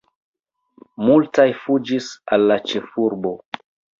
Multaj fuĝis al la ĉefurbo.